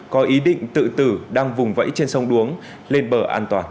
có ý định tự tử đang vùng vẫy trên sông đuống lên bờ an toàn